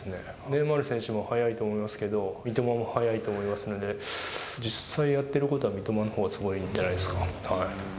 ネイマール選手も速いと思いますけれども、三笘も速いと思いますので、実際やってることは、三笘のほうがすごいんじゃないですか。